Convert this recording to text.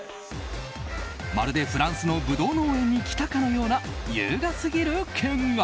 まるでフランスのブドウ農園に来たかのような優雅すぎる見学。